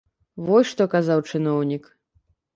Вось што казаў чыноўнік.